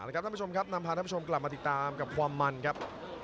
ท่านผู้ชมครับนำพาท่านผู้ชมกลับมาติดตามกับความมันครับ